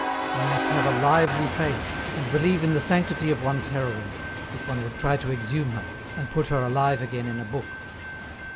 . one must have a lively faith, and believe in the sanctity of one's heroine, if one would try to exhume her, and put her alive again in a book.